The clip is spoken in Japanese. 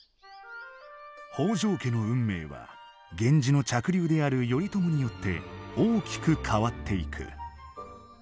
北条家の運命は源氏の嫡流である頼朝によって大きく変わっていく。